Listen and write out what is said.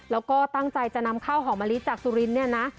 แล้วก็ตั้งใจจะนำข้าวหอมมะลิจากสุรินทร์เนี่ยนะ